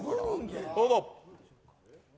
どうぞ。